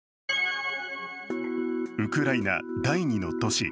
ウクライナ第二の都市